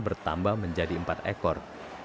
bertambah menjadi empat ekor